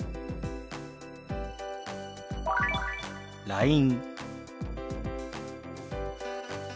「ＬＩＮＥ」。